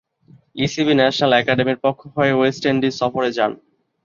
ECB national একাডেমির পক্ষ হয়ে ওয়েস্ট ইন্ডিজ সফরে যান।